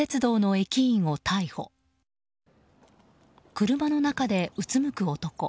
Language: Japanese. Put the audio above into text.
車の中でうつむく男。